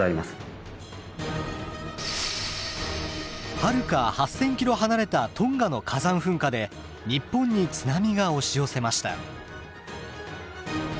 はるか８，０００ｋｍ離れたトンガの火山噴火で日本に津波が押し寄せました。